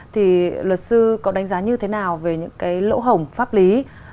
thì luật sư có đánh giá như thế nào về những cái lỗ hổng pháp lý